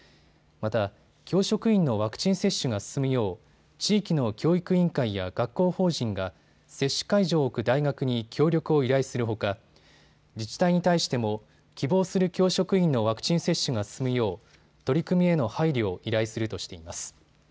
また教職員のワクチン接種が進むよう地域の教育委員会や学校法人が接種会場を置く大学に協力を依頼するほか自治体に対しても希望する教職員のワクチン接種が進むよう、取り組みへの配慮を依頼するとしています。